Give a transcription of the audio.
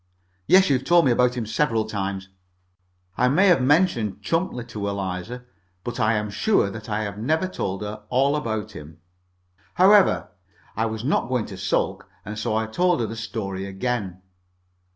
"Yes, you've told me all about him several times." I might have mentioned Chumpleigh to Eliza, but I am sure that I have never told her all about him. However, I was not going to sulk, and so I told her the story again.